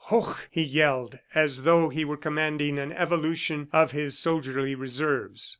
"Hoch!" he yelled as though he were commanding an evolution of his soldierly Reserves.